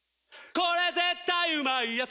これ絶対うまいやつ」